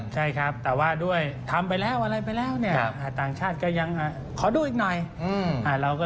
ใช่ครับแต่ว่าด้วยทำไปแล้วอะไรไปแล้วเนี่ยต่างชาติก็ยังขอดูอีกหน่อย